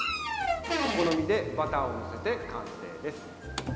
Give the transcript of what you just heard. お好みでバターを載せて完成です。